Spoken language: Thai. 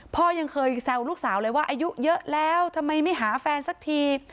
ยังเคยแซวลูกสาวเลยว่าอายุเยอะแล้วทำไมไม่หาแฟนสักที